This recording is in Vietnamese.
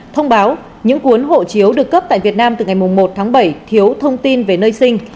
thông báo những cuốn hộ chiếu được cấp tại việt nam từ ngày một tháng bảy thiếu thông tin về nơi sinh